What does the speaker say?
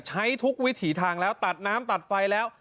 ใช้ทุกวิถีทางแล้วตัดน้ำตัดไฟแล้ว